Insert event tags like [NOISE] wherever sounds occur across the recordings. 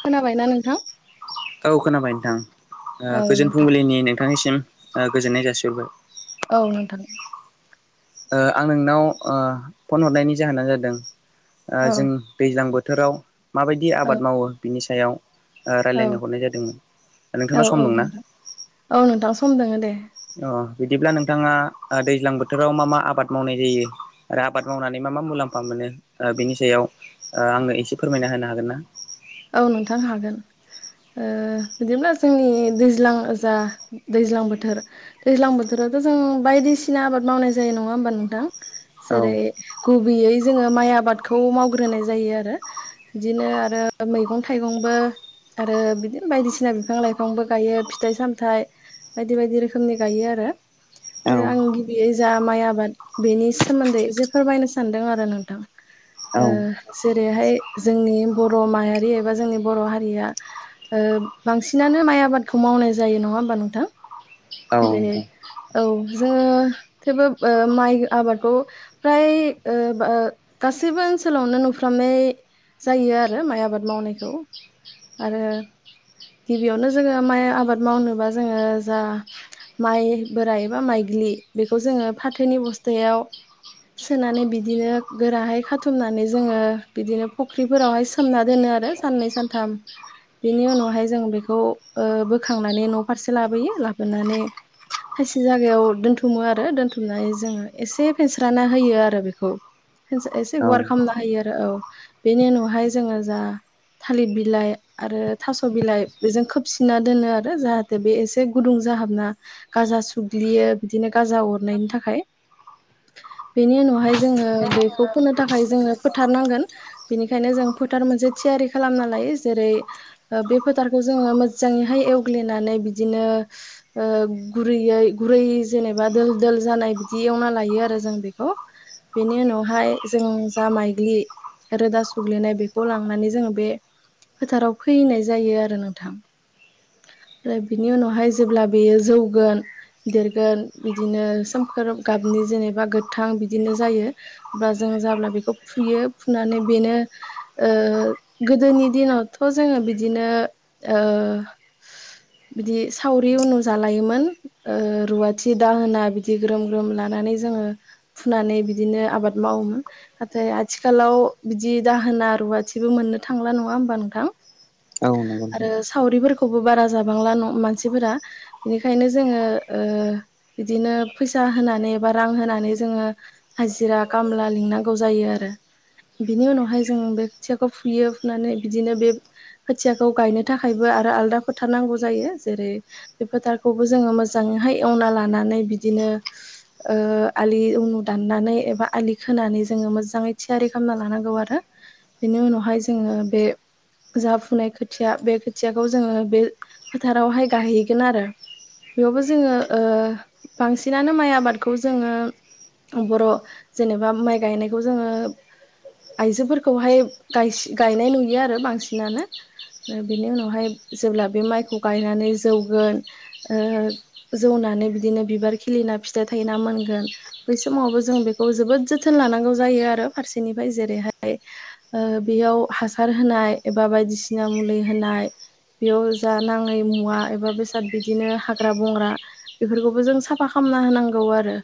खोनाबायना नोंथां औ खोनाबाय नोंथां ओ औ गोजोन नोंथां फुंबिलिनि नोंथांनिसिम ओ गोजोननाय जासिहरबाय औ नोंथां ओ आं नोंनाव फन हरनायनि जाहोनानो जादों औ जों दैज्लां बोथोराव माबायदि औ आबाद मावो बिनि सायाव ओ रायलायनो औ हरनाय जादोंमोन औ नोंथांना सम औ दंना? नोंथां औ नोंथां सम दोङो दे अ बिदिब्ला नोंथाङा ओ दैज्लां बोथोराव मा मा आबाद मावनाय जायो आरो आबाद मावनानै मा मा मुलाम्फा मोनो ओ बेनि सायाव ओ आंनो एसे फोरमायना होनो हागोन ना औ नोंथां हागोन ओ बिदिब्ला जोंनि दैज्लां जा दैज्लां बोथोर दैज्लां बोथोरावथ जों बायदिसिना आबाद मावनाय जायो नङा होमबा नोंथां औ जेरै गुबैयै जोङो माइ आबादखौ मावग्रोनाय जायो आरो बिदिनो आरो मैगं थाइगंबो आरो बिदिनो बायदिसिना बिफां लाइफांबो गायो फिथाइ सामथाइ बायदि बायदि रोखोमनि गायो आरो आं गिबियै जा माइ आबाद बेनि सोमोन्दै जे फोरमायनो सानदों आरो नोंथां औ ओ जेरैहाय जोंनि बर माहारि एबा जोंनि बर हारिया ओ बांसिनानो माइ आबादखौ मावनाय जायो नङा होमबा नोंथां औ जेरै औ जोङो थेवबो ओ माइ आबादखौ फ्राय ओ ओ गासैबो ओनसोलावनो नुफ्रामनाय जायो आरो माइ आबाद मावनायखौ आरो गिबियावनो जोङो माइ आबाद मावनोबा जोङो जा माइ बोराइ एबा माइग्लि बेखौ जोङो फाथोनि बस्थायाव सोनानै बिदिनो गोराहाय खाथुमनानै जोङो बिदिनो फुख्रिफोरावहाय सोमना दोनो आरो साननै सानथाम बेनि उनावहाय जों बेखौ बोखांनानै न फारसे लाबोयो लाबो बोनानै खायसे जागायाव दोन्थुमो आरो दोनथुमनानै जोङो एसे फेनस्राना होयो आरो बेखौ एस एसे गुवार खालामना होयो आरो औ बेनि उनावहाय जोङो जा थालिर बिलाइ आरो थास बिलाइ बेजों खोबसिना दोनो आरो जाहाथे बे एसे गुदुं जाहाबना गाजा सुग्लियो बिदिनो गाजा अरनायनि थाखाय बेनि उनावहाय जोङो बेखौ फोनो थाखाय जोङो फोथारनांगोन बेनिखायनो जों फोथार मोनसे थियारि खालामना लायो जेरै ऐ बे फोथारखौ जोङो मोजाङैहाय एवग्लिनानै बिदिनो ऐ गुरैयै गुरै जेनेबा दोल दोल जानाय बिदि एवना लायो आरो जों बेखौ बेनि उनावहाय जों जा माइग्लि रोदा सुग्लिनाय बेखौ लांनानै जोङो बे फोथाराव फैनाय जायो आरो नोंथां आरो बिनि उनावहाय जो जेब्ला बेयो जौगोन देरगोन बिदिनो सोमखोर गाबनि जेनेबा गोथां बिदिनो जायो बा जों जाब्ला बेखौ फुयो फुनानै बेनो ओ गोदोनि दिनावथ' जोङो बिदिनो बिदि सावरि उनुजालायोमोन ओ रुवाथि दाहोना बिदि ग्रोम ग्रोम लानानै जोङो फुनानै बिदिनो आबाद मावोमोन। नाथाय आथिखालाव बिदि दाहोना रुवाथिबो मोननो थांला नङा होमबा नोंथां? औ नंगौ आरो नोंथां सावरिफोरखौबो बारा जाबांला मानसिफोरा बिनिखायनो जोङो बिदिनो फैसा होनानै बा रां होनानै जोङो हाजिरा खामला लिंनांगौ जायो आरो बिनि उनावहाय जों बे खोथियाखौ फुयो फुनानै बिदिनो बे खोथियाखौ गायनो थाखायबो आरो आलदा फोथार नांगौ जायो। जेरै बे फोथारखौबो जोङो मोजाङैहाय एवना लानानै बिदिनो आलि उनु दाननानै एबा आलि खोनानै जोङो मोजाङै थियारि खालामना लानांगौ आरो। बेनि उनावहाय जोङो बे जाफुनाय खोथिया बे खोथियाखौ जोङो बे फोथारावहाय गायहैगोन आरो बेयावबो जोङो बांसिनानो माइ आबादखौ जोङो बर' जेनेबा माइ गायनायखौ जोङो। आयजोफोरखौहाय गायनाय नुयो आरो बांसिनानो बेनि उनावहाय जेब्ला बे माइखौ गायनानै जौगोन जौनानै बिदिनो बिबार खिलिना फिथाइ थायना मोनगोन बै समावबो जों बेखौ जोबोद जोथोन लानांगौ जायो आरो फारसेनिफ्राय जेरैहाय बेयाव हासार होनाय एा बायदिसिना मुलि होनाय बेयाव जा नाङै मुवा एबा बेसाद बिदिनो हाग्रा बंग्रा बेफोरखौबो जों साफा खालामना होनांगौ आरो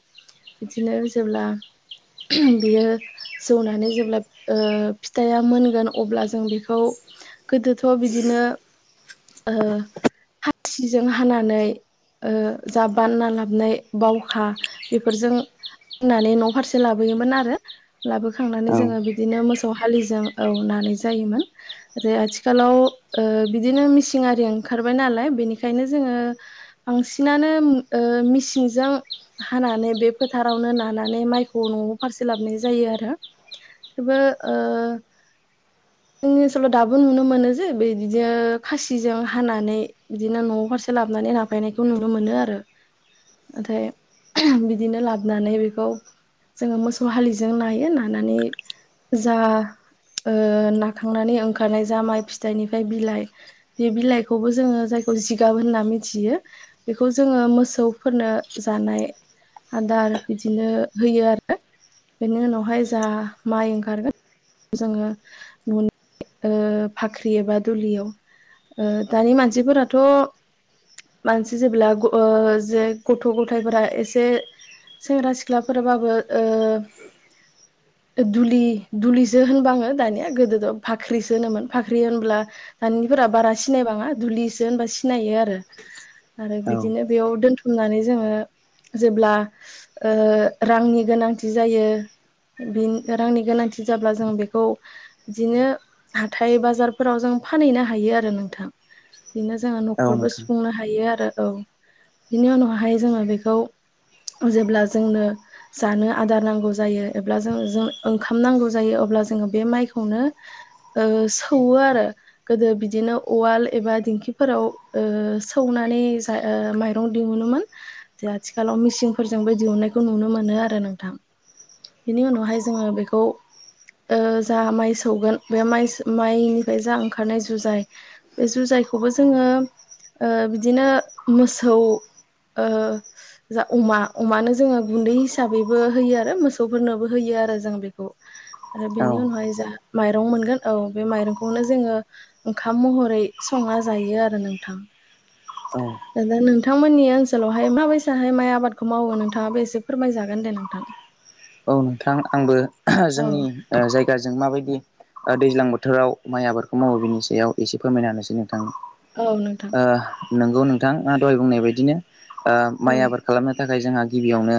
बिदिनो जेब्ला बियो जौनानै जेब्ला फिथाइा मोनगोन अब्ला जों बेखौ गोदोथ' बिदिनो हासिजों हानानै जा बानना लाबनाय बावखा बेफोरजों होननानै न'फारसे लाबोयोमोन आरो लाबोखांनानै नोंथां औ जोङो बिदिनो मोसौ हालिजों औ नानाय जायोमोन। आरो आथिखालाव बिदिनो मिसिनारि ओंखारबाय नालाय बेनिखायनो जोङो बांसिनानो मिसिंजों हानानै बे फोथारावनो नानानै माइखौ न'आव फारसे लाबोन जायो आरो सोरबा आ जोंनि ओनसोलाव दाबो नुनो मोनो जे बे बिदिनो खासि खुसिजों हानानै बिदिनो न' फारसे लाबोनानै नाफायनायखौ नुनो मोनो आरो नाथाय बिदिनो लाबोनानै बेखौ जोङो मोसौ हलिजों नायो नानानै जा नाखांनानै ओंखारनाय जा माइ फिथाइनिफ्राय बिलाइ बे बिलाइखौबो जोङो जायखौ जिगाब होनना मिथियो बेखौ जोङो मोसौफोरनो जानाय आदार बिदिनो होयो आरो बेनि उनावहाय जा माइ ओंखारगोन जोङो नुनो फाख्रि एबा दुलियाव दानि मानसिफोराथ' मानसि जेब्ला जे गथ' गथायाइफोरा एसे सेंग्रा सिख्लाफोराबाबो [INAUDIBLE] दुलि दुलिसो होनबाङो दानिया गोदोथ' भाख्रिसो होनोमोन भाख्रि होनब्ला दानिफोरा बारा सिनायबाङा दुलिसो होनबा सिनायो आरो आरो औ बिदिनो बेयाव दोनथुमनानै जोङो जेब्ला रांनि गोनांथि जायो बि रांनि गोनांथि जाब्ला जों बेखौ बिदिनो हाथथाय बाजारफोराव जों फानहैनो हायो आरो नों बिदिनो जोङो औ न'खरबो नोंथां सुफुंनो हायो आरो औ बेनि उनावहाय जोङो बेखौ जेब्ला जोंनो जानो आदार नांगौ जायो एब्ला जों जों ओंखाम नांगौ जायो अब्ला जोङो बे माइखौनो ओ सौवो आरो गोदो बिदिनो उवाल एबा दिंखिफोराव ओ सौनानै माइरं दिहुनोमोन। दा आथिखालाव मिसिनफोरजोंबो दिहुननायखौ नुनो मोनो आरो नोंथां। बेनि उनावहाय जोङो बेखौ ओ जा माइ सौगोन बे माइ माइनिफ्राय जा ओंखारनाय जुजाय बे जुजायखौबो जोङो बिदिनो मोसौ ओ जा अमा अमानो जोङो गुन्दै हिसाबैबो होयो आरो मोसौफोरनोबो होयो आरो जों बेखौ। [INAUDIBLE] आरो बेनि औ उनावहाय जा माइरं मोनगोन औ बे माइरंखौनो जोङो ओंखाम महरै संना जायो आरो नोंथां। औ दा नोंथांमोननि ओनसोलावहाय माबायसाहाय माइ आबादखौ मावो नोंथाङाबो एसे फोरमायजागोन दे नोंथां। औ नोंथां आंबो औ जोंनि जायगाजों माबायदि दैज्लां बोथोराव माइ आबादखौ मावो बिनि सायाव एसे फोरमायना हानोसै नोंथांनो औ नोंथां ओ नोंगौ नोंथां आं दहाय बुंनाय बायदिनो औ माइ आबाद खालामनो थाखाय जोंहा गिबियावनो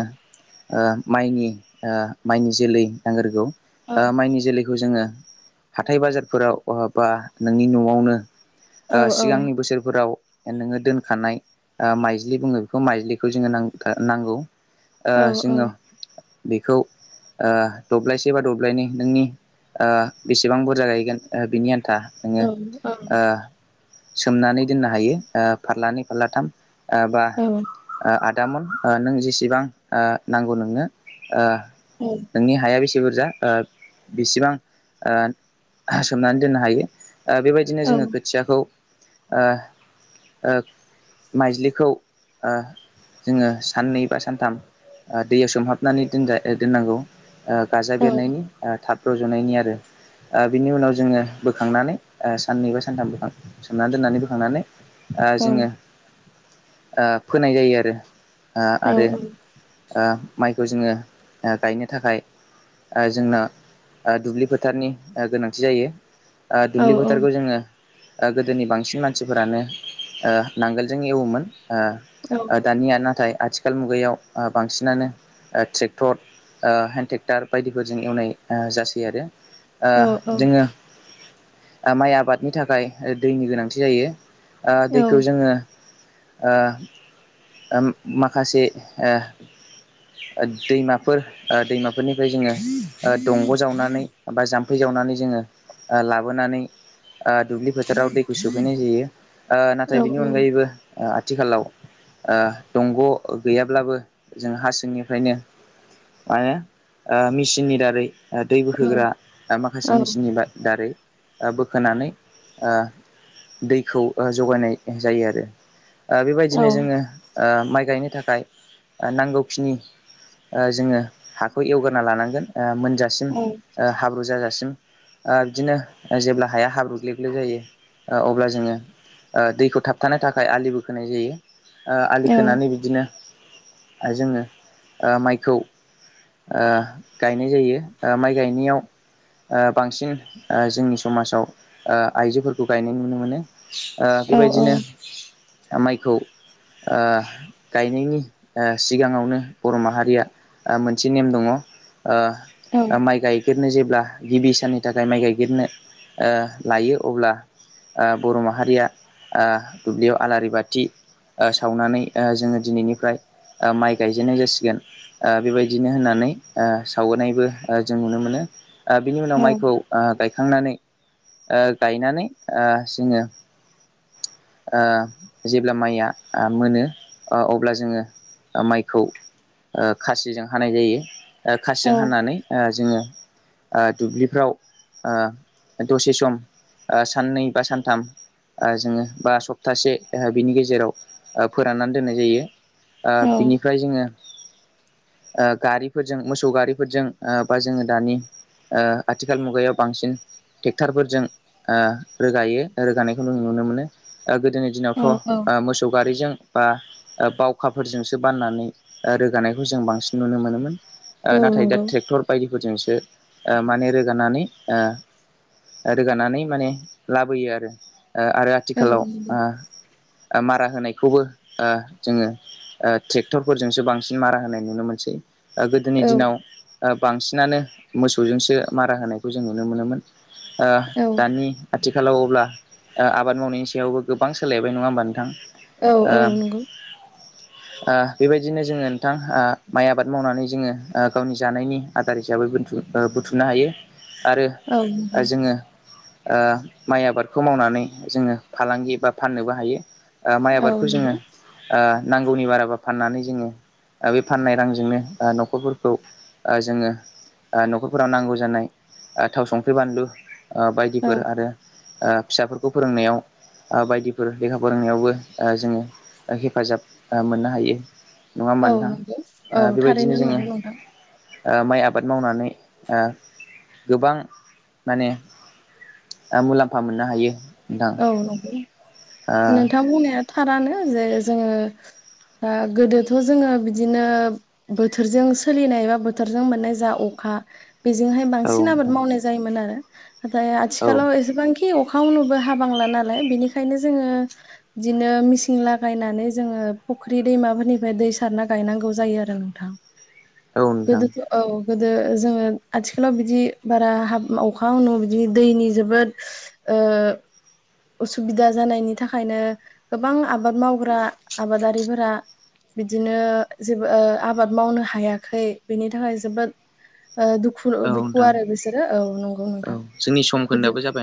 माइनि ओ माइनि जोलै नांगोरगौ औ ओ माइनि जोलैखौ जोङो हाथाय बाजारफोराव नङाबा नोंनि न'आवनो औ ओ औ सिगांनि बोसोरफोराव नोङो दोनखानाय माइज्लि बुङो बेखौ माइज्लिखौ जोङो नांगौ ओ औ जोङो बेखौ ओक् दब्लायसे बा दब्लायनै नोंनि बेसेबां बुरजा गायगोन ओ बिनि आन्था नोङो औ औ ओ सोमनानै दोननो हायो ओ फारलानै फारलाथाम ओ बा औ आदामन नों जेसेबां नांगौ नोंनो ओ उम नोंनि हाया बेसे बुरजा ओ बेसेबां ओ सोमनानै दोननो हायो बेबायदिनो औ जोङो खोथियाखौ ओ माइज्लिखौ ओ जोङो साननै बा सानथाम ओ दैयाव समोमहाब नानै दोनजा ओ दोननांगौ ओ गाजा औ बेरनायनि ओ थाब रज'नायनि आरो। ओ बिनि उनाव जोङो बोखांनानै ओ साननै बा सानथाम बोखां सोमना दोननानै बोखांनानै ओ जोङो ओ फोनाय जायो आरो आ-आरो औ ओ माइखौ जोङो ओ गायनो थाखाय ओ जोंना दुब्लि फोथारनि ओ गोनांथि जायो औ दुब्लि ओ फोथारखौ जोङो ओ गोदोनि बांसिन मानसिफोरानो ओ नांगोलजों एवोमोन ओ दानिया नाथाय आथिखाल मुगायाव बांसिनानो ट्रेक्टर ओ हेन्द ट्रेक्टर बायदिफोरजों एवनाय जासै आरो ओ जोङो माइ आबादनि थाखाय दैनि गोनांथि जायो। ओ दैखौ औ जोङो ओ ओ माखासे ओ दैमाफोर दैमाफोरनिफ्राय जोङो दंग' जावनानै बा जाम्फै जावनानै जोङो ओ लाबोनानै ओ दुब्लि फोथाराव दैखौ सोफैनाय जायो ओ नाथाय बिनि अनगायैबो ओ आथिखालाव दंग' गैयाब्लाबो जों हा जोंनिफ्रायनो मा होनो ओ मेसिननि दारै दै बोहोग्रा माखासे मेचिननि दारै ओ बोखोनानै दैखौ जगायनाय जायो आरो ओ बेबायदिनो जोङो ओ माइ गायनो थाखाय ओ नांगौ खिनि ओ जोङो हाखौ एवग्रोना लानांगोन ओ मोनजासिम ओ हाबा ब्रु जाजासिम ओ बिदिनो जेब्ला हाया हाब्रुग्लेग्ले जायो ओ अब्ला जोङो ओ दैखौ थाबथानो थाखाय आलि बोखोनाय जायो। ओ आलि खोनानै बिदिनो ओ जोङो ओ माइखौ ओ गायनाय जायो। ओ माइ गायनायाव ओ बांसिन जोंनि ओ जोंनि समाजाव ओ आइजोफोरखौ गायनाय नुनो मोनो ओ बेबायदिनो माइखौ ओ गायनायनि सिगाङावनो बर' माहारिया मोनसे नेम दङ ओ माइ गाय बेफेरनो जेब्ला गिबि साननि थाखाय माइ गायगेरनो लायो अब्ला ओ बर' माहारिया ओ दुब्लियाव आलारि बाथि ओ सावनानै ओ जोङो दिनैनिफ्राय ओ माइ गाय जेननाय जासिगोन ओ बेबायदिनो होननानै सावबोनायबो जों नुनो मोनो ओ बिनि उनाव माइखौ ओ गायखांनानै ओ गायनानै जोङो ओ जेब्ला माइया ओ मोनो ओ अब्ला जोङो माइ खौ ओ खासिजों हानाय जायो खासिजों हानानै ओ जोङो दुब्लिफ्राव दसे सम साननै बा सानथाम जोङो बा सप्तासे बिनि गेजेराव फोराननानै दोननाय जायो बिनिफ्राय जोङो गारिफोरजों मोसौ गारिफोरजों बा जोङो दानि ओ आथिखाल मुगायाव बांसिन ट्रेक्टरफोरजों रोगायो रोगानायखौ जों नुनो मोनो गोदोनि औ दिनावथ' औ मोसौ गारिजों बा बावखाफोरजोंसो बाननानै रोगानायखौ जों बांसिन नुनो मोनोमोन औ नाथाय दा नंगौ ट्रेक्टर बायदिफोरजोंसो माने रोगानानै रोगानानै माने लाबोयो आरो आरो औ आथिखालाव नंगौ मारा होनायखौबो जोङो ओ ट्रेक्टरफोरजोंसो बांसिन मारा होनाय नुनो मोनसै गोदोनि औ दिनाव बांसिनानो मोसौजोंसो मारा होनायखौ जों नुनो मोनोमोन औ दानि आथिखालाव अब्ला आबाद मावनायनि सायावबो गोबां सोलायबाय नङा होमबा नोंथां औ ओ औ नंगौ। ओ बेबायदिनो जोङो नोंथां माइ आबाद मावनानै जोङो ओ गावनि जानायनि आदार हिसाबै बथुम ओ बुथुमनो हायो आरो औ नंगौ जोङो माइ आबादखौ मावनानै जोङो फालांगि बा फाननोबो हायो ओ माइ औ आबादखौ जोङो नंगौ नांगौनि बाराबा फाननानै जोङो ओ बे फाननाय रांजोंनो न'खरफोरखौ जोङो न'खरफोराव नांगौ जानाय थाव संख्रि बानलु औ बायदिफोर आरो फिसाफोरखौ फोरोंनायाव आ बायदिफोर लेखा फोरोंनायावबो ओह जोङो ओह हेफाजाब ओह मोननो हायो नङा औ होमबा नोंथां नंगौ औ ओह थारैनो बेबायदिनो जोङो नंगौ नोंथां ओ माइ आबाद मावनानै ओ गोबां माने ओ मुलाम्फा मोननो हायो। नोंथां। औ नंगौ ओ औ नोंथां बुंनाया थारानो जे जोङो ओ गोदोथ' जोङो बिदिनो बोथोरजों सोलिनाय बा बोथोरजों मोननाय जा अखा बेजोंहाय बांसिन नोंथां आबाद मावनाय जायोमोन आरो नाथाय औ आथिखालाव औ एसेबांखि अखायाव नुबबो हाबांला नालाय बिनिखायनो जोङो बिदिनो मिसिं लागायनानै जोङो फुख्रि दैमाफोरनिफ्राय दै सारना गायनांगौ जायो आरो नोंथां । नोंथां गोदोथ' औ गोदो जोङो आथिखालाव बिदि बारा हाब अखा [UNINTELLIGIBLE] बिदि दैनि जोबोद ओ उसुबिदा जानायनि थाखायनो गोबां आबाद मावग्रा आबादारिफोरा बिदिनो जेबो ओ आबाद मावनो हायाखै बिनि थाखाय जोबोद ओ दुखु औ दुखु नोंथां आरो बिसोरो औ नंगौ औ नोंथां जोंनि सम खोन्दोआबो बिदि जाबाय